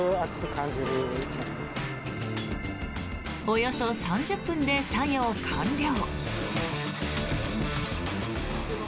およそ３０分で作業完了。